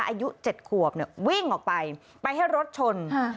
อายุ๗ขวบเนี่ยวิ่งออกไปไปให้รถชน